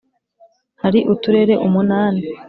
hari uturere umunani